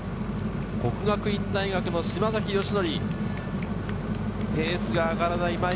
國學院大學の島崎慎愛。